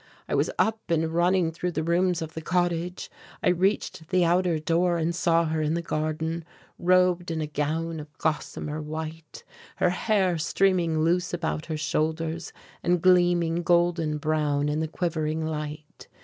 I was up and running through the rooms of the cottage. I reached the outer door and saw her in the garden, robed in a gown of gossamer white, her hair streaming loose about her shoulders and gleaming golden brown in the quivering light.